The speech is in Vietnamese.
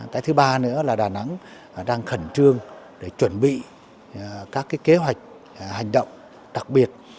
cái thứ ba nữa là đà nẵng đang khẩn trương để chuẩn bị các kế hoạch hành động đặc biệt